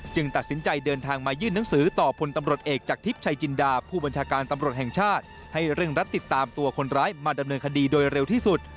ตัดสินใจเดินทางมายื่นหนังสือต่อพลตำรวจเอกจากทิพย์ชัยจินดาผู้บัญชาการตำรวจแห่งชาติให้เร่งรัดติดตามตัวคนร้ายมาดำเนินคดีโดยเร็วที่สุด